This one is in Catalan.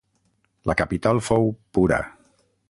La capital fou Pura.